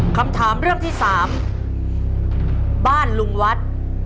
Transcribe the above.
คำถามเรื่องที่๓บ้านลุงวัด